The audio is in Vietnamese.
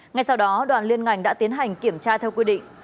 ngay sau đó đoàn liên ngành đã tiến hành kiểm tra theo quy định